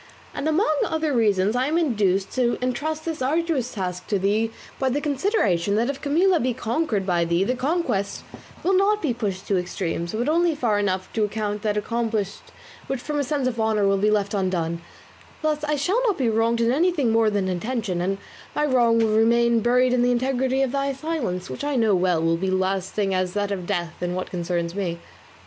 And among other reasons, I am induced to entrust this arduous task to thee by the consideration that if Camilla be conquered by thee the conquest will not be pushed to extremes, but only far enough to account that accomplished which from a sense of honour will be left undone; thus I shall not be wronged in anything more than intention, and my wrong will remain buried in the integrity of thy silence, which I know well will be as lasting as that of death in what concerns me.